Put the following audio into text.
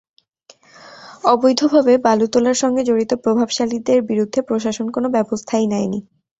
অবৈধভাবে বালু তোলার সঙ্গে জড়িত প্রভাবশালীদের বিরুদ্ধে প্রশাসন কোনো ব্যবস্থাই নেয়নি।